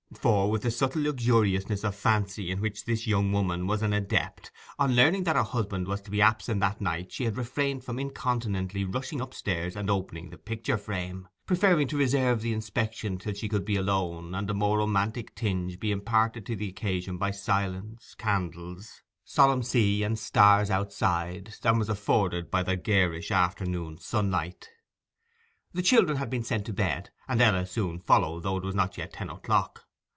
For, with the subtle luxuriousness of fancy in which this young woman was an adept, on learning that her husband was to be absent that night she had refrained from incontinently rushing upstairs and opening the picture frame, preferring to reserve the inspection till she could be alone, and a more romantic tinge be imparted to the occasion by silence, candles, solemn sea and stars outside, than was afforded by the garish afternoon sunlight. The children had been sent to bed, and Ella soon followed, though it was not yet ten o'clock.